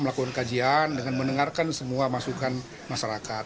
melakukan kajian dengan mendengarkan semua masukan masyarakat